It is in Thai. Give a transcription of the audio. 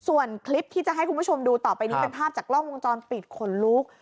ส่วนคลิปที่จะให้คุณผู้ชมดูต่อไปนี้เป็นภาพจากกล้องวงจรปิดขนลุก